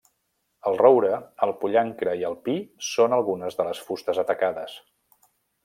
El roure, el pollancre i el pi són algunes de les fustes atacades.